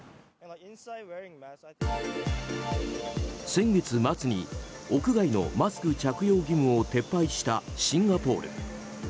先月末に屋外のマスク着用義務を撤廃したシンガポール。